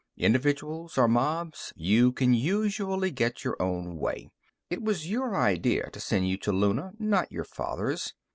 Individuals, or mobs, you can usually get your own way. It was your idea to send you to Luna, not your father's.